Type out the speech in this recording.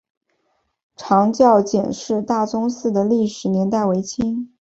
长教简氏大宗祠的历史年代为清。